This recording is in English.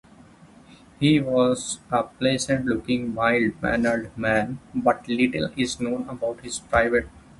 He was a pleasant-looking, mild-mannered man, but little is known about his private life.